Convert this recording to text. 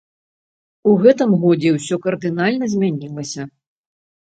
У гэтым годзе ўсё кардынальна змянілася.